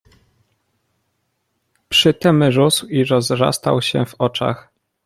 "Przytem rósł i rozrastał się w oczach."